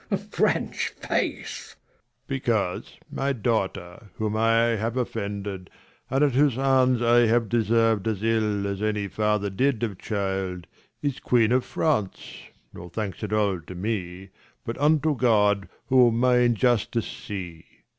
A French face ! 135 Leir. Because my daughter, whom I have offended, And at whose hands I have deserv'd as ill, As ever any father did of child, Is queen of France, no thanks at all to me, But unto God, who my injustice see.